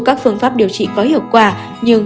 các phương pháp điều trị có hiệu quả nhưng